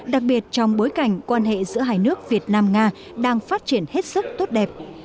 đặc biệt trong bối cảnh quan hệ giữa hai nước việt nam nga đang phát triển hết sức tốt đẹp